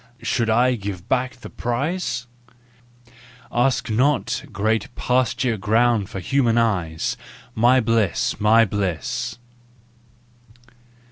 " Should I give back the prize ?" Ask not, great pasture ground for human eyes ! My bliss! My bliss!